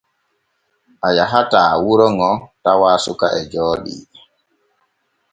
A yahataa wuro ŋo tawaa suka e jooɗii.